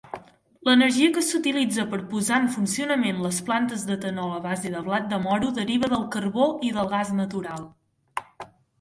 L'energia que s'utilitza per posar en funcionament les plantes d'etanol a base de blat de moro deriva del carbó i del gas natural.